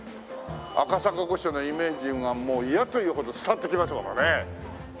赤坂御所のイメージがもう嫌というほど伝わってきますからね。